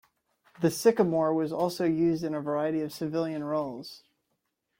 The Sycamore was also used in a variety of civilian roles.